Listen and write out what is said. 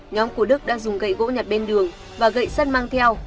nhóm của đức đã dùng gậy gỗ nhặt bên đường và gậy sắt mang theo